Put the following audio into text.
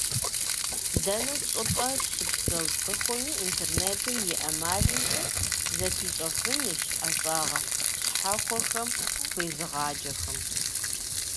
Дэнэ щӀыпӀэ щыпсэу цӀыхуми, интернетым и ӀэмалымкӀэ зыпищӀэфынущ ӀэщӀагъэ щхьэхуэхэм хуезыгъаджэхэм.